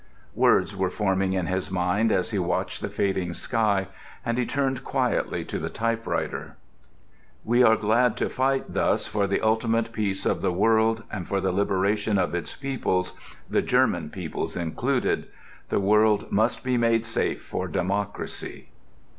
Words were forming in his mind as he watched the fading sky, and he returned quietly to the typewriter: "We are glad to fight thus for the ultimate peace of the world and for the liberation of its peoples, the German peoples included.... The world must be made safe for democracy."